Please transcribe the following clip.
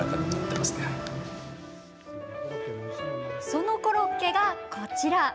そのコロッケが、こちら。